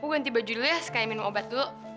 gue ganti baju dulu ya kayak minum obat dulu